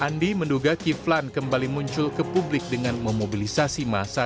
andi menduga kiflan kembali muncul ke publik dengan memobilisasi masa